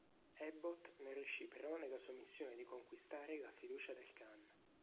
Abbott non riuscì però nella sua missione di conquistare la fiducia del khan.